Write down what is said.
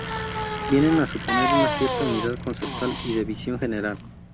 Vienen a suponer una cierta unidad conceptual y de visión general.